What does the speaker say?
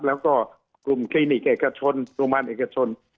แล้วก็กลุ่มคลินิกเอกชนโรงพยาบาลเอกชน